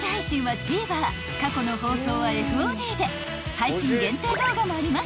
［配信限定動画もあります